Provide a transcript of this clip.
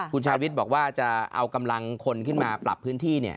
คุณชาวิทย์บอกว่าจะเอากำลังคนขึ้นมาปรับพื้นที่